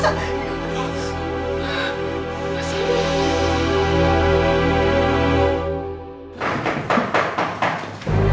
said dibalik geldung budi